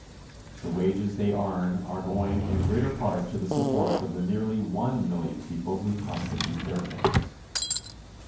The wages they earn are going in greater part to the support of the nearly one million people who constitute their families.